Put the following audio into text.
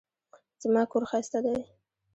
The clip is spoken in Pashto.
زما کور ښايسته دی